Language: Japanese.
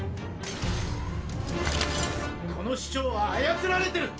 この市長は操られてる！